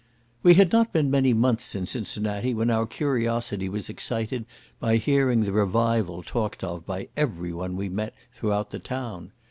We had not been many months in Cincinnati when our curiosity was excited by hearing the "revival" talked of by every one we met throughout the town.